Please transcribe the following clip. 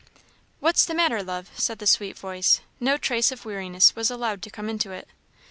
"What's the matter, love?" said the sweet voice. No trace of weariness was allowed to come into it.